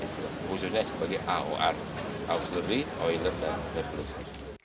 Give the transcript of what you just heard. khususnya sebagai aor auxiliary oiler dan repulsor